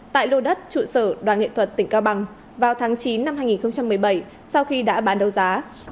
tại lô đất trụ sở đoàn nghệ thuật tỉnh cao bằng vào tháng chín năm hai nghìn một mươi bảy sau khi đã bán đấu giá